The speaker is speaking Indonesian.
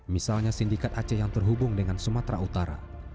misalnya sindikat aceh yang terhubung dengan sumatera utara